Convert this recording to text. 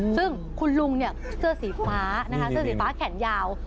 ซึ่งคุณลุงเนี่ยเสื้อสีฟ้านะคะเสื้อสีฟ้าแขนยาว